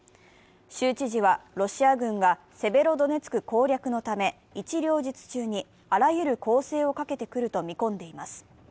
州知事は、ロシア軍がセベロドネツク攻略のため一両日中にあらゆる攻勢をかけてくると見込んでいます。